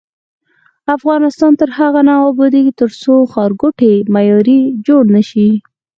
افغانستان تر هغو نه ابادیږي، ترڅو ښارګوټي معیاري جوړ نشي.